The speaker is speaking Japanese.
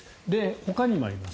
ほかにもあります。